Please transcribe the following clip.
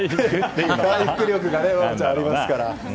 回復力がバボちゃんありますから。